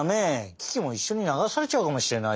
キキもいっしょに流されちゃうかもしれないよ。